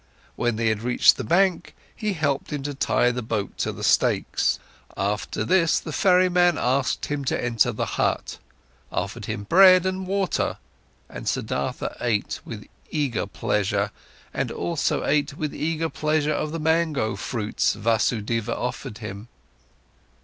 When they had reached the bank, he helped him to tie the boat to the stakes; after this, the ferryman asked him to enter the hut, offered him bread and water, and Siddhartha ate with eager pleasure, and also ate with eager pleasure of the mango fruits Vasudeva offered him.